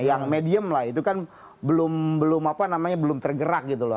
yang medium lah itu kan belum tergerak gitu loh